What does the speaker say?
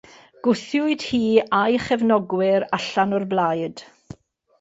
Gwthiwyd hi a'i chefnogwyr allan o'r blaid.